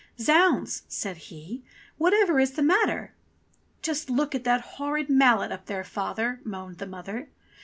"Zounds !" says he, "whatever is the matter ?" "Just look at that horrid mallet up there, father," moaned the mother.